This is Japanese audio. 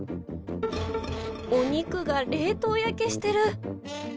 お肉が冷凍焼けしてる。